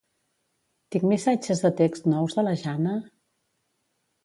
Tinc missatges de text nous de la Jana?